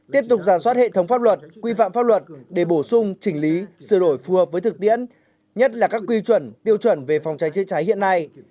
tiếp tục giả soát hệ thống pháp luật quy phạm pháp luật để bổ sung chỉnh lý sửa đổi phù hợp với thực tiễn nhất là các quy chuẩn tiêu chuẩn về phòng cháy chữa cháy hiện nay